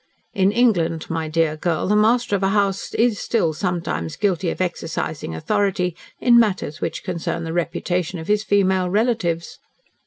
"In England, my dear girl, the master of a house is still sometimes guilty of exercising authority in matters which concern the reputation of his female relatives.